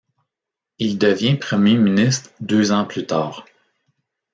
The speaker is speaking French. Il devient premier ministre deux ans plus tard.